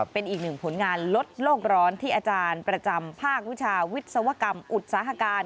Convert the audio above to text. เป็นอีกหนึ่งผลงานลดโลกร้อนที่อาจารย์ประจำภาควิชาวิศวกรรมอุตสาหการ